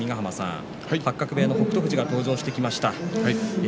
八角部屋の北勝富士が登場してきました。